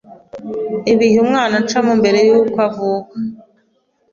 ibihe umwana acamo mbere y’uko avuka,